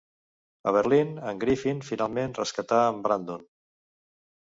A Berlín, en Griffin finalment rescata en Brandon.